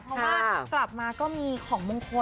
เพราะว่ากลับมาก็มีของมงคล